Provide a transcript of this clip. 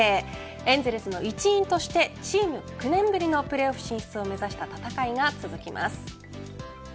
エンゼルスの一員としてチーム９年ぶりのプレーオフ進出を目指した戦いが続きます。